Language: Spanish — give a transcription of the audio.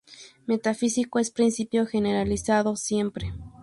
Metafísico es principio generalizado siempre.